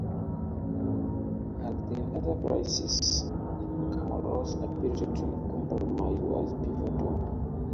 As in other crises, Chamorro's ability to compromise was pivotal.